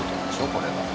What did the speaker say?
これは。